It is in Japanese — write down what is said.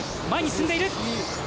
前に進んでいる。